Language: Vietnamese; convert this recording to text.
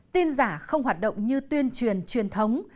tin giả không hoạt động như tuyên truyền truyền thống